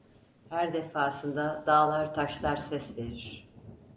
Her defasında dağlar taşlar ses verir: